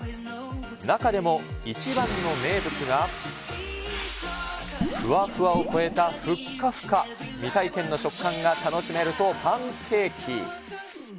中でも、一番の名物が、ふわふわを超えたふっかふか、未体験の食感が楽しめる、そう、パンケーキ。